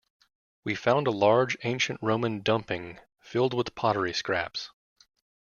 We found a large ancient Roman dumping filled with pottery scraps.